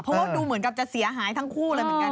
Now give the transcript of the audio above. เพราะว่าดูเหมือนกับจะเสียหายทั้งคู่เลยเหมือนกัน